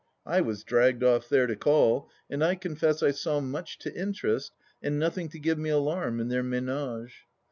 I was dragged off there to call, and I confess I saw much to interest and nothing to give me alarm in their menage.